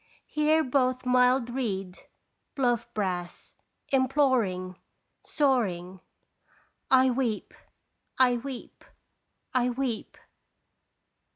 Hear both mild reed, bluff brass, imploring, soaring, "I weep! I weep! I weep!"